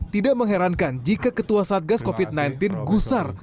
tidak mengherankan jika ketua satgas covid sembilan belas gusar